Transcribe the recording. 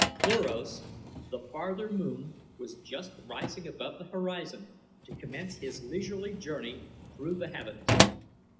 Cluros, the farther moon, was just rising above the horizon to commence his leisurely journey through the heavens.